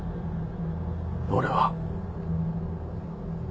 俺は